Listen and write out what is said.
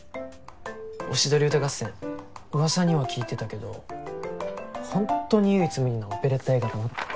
『鴛鴦歌合戦』噂には聞いてたけどほんとに唯一無二のオペレッタ映画だな。